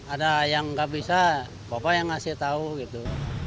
ada yang enggak bisa pokoknya yang ngasih tau gitu